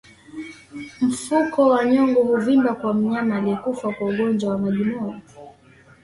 Mfuko wa nyongo huvimba kwa mnyama aliyekufa kwa ugonjwa wa majimoyo